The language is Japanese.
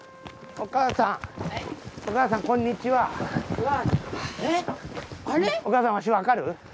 お母さんワシ分かる？